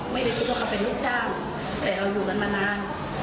ไม่ได้คิดว่าเขาเป็นลูกจ้างแต่เราอยู่กันมานาน